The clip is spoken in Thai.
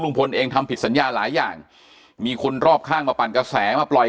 เองทำผิดสัญญาหลายอย่างมีคนรอบข้างมาปั่นกระแสมาปล่อย